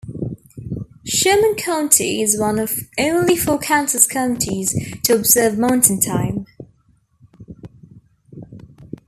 Sherman County is one of only four Kansas counties to observe Mountain Time.